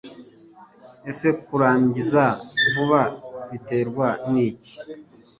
Ese kurangiza vuba biterwa n'iki